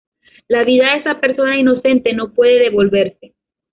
La vida de esa persona inocente no puede devolverse.